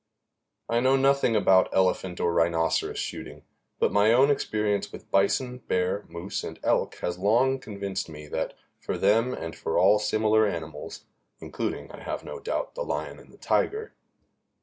I know nothing about elephant or rhinoceros shooting; but my own experience with bison, bear, moose and elk has long convinced me that for them and for all similar animals (including, I have no doubt, the lion and tiger) the